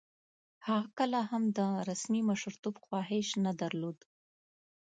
هغه کله هم د رسمي مشرتوب خواهیش نه درلود.